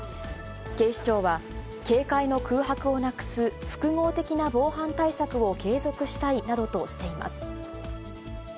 警視庁は、警戒の空白をなくす複合的な防犯対策を継続したいなどとしています。